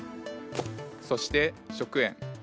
そして食塩。